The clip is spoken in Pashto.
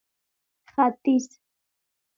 ختيځ